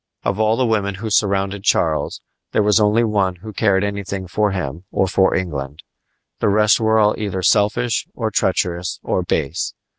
Of all the women who surrounded Charles there was only one who cared anything for him or for England. The rest were all either selfish or treacherous or base.